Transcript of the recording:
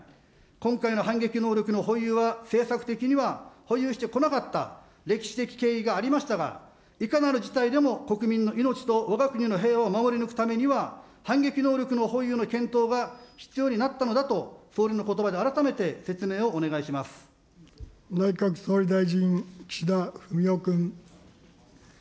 今回の反撃能力の保有は、政策的には保有してこなかった歴史的経緯がありましたが、いかなる事態でも国民の命とわが国の平和を守り抜くためには、反撃能力の保有の検討が必要になったのだと、総理のことばで改めて内閣総理大臣、岸田文雄君。